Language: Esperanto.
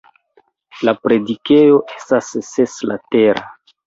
La predikejo estas seslatera.